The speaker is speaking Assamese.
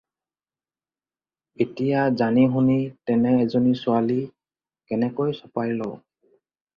এতিয়া জানি-শুনি তেনে এজনী ছোৱালী কেনেকৈ চপাই লওঁ।